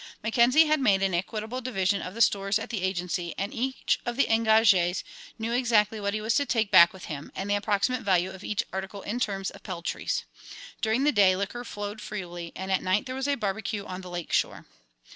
Mackenzie had made an equitable division of the stores at the Agency, and each of the engagés knew exactly what he was to take back with him, and the approximate value of each article in terms of peltries. During the day liquor flowed freely, and at night there was a barbecue on the lake shore.